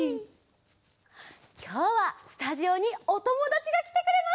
きょうはスタジオにおともだちがきてくれました！